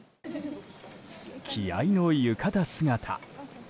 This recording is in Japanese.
気合の浴衣姿。